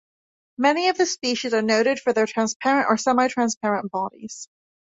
Many of the species are noted for their transparent or semi-transparent bodies.